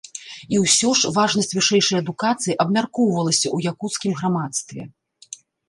І ўсё ж, важнасць вышэйшай адукацыі абмяркоўвалася ў якуцкім грамадстве.